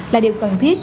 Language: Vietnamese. là điều cần thiết